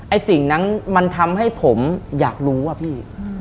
สิ่งนั้นมันทำให้ผมอยากรู้อะพี่